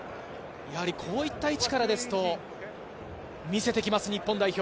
こういった位置からですと、見せてきます、日本代表。